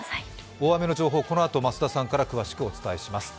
大雨の情報、このあと増田さんから詳しくお伝えします。